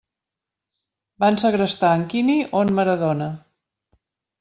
Van segrestar en Quini o en Maradona?